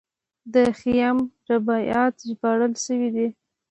د خیام رباعیات ژباړل شوي دي.